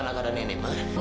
gimana keadaan nenek ma